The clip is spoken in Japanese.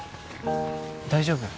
大丈夫？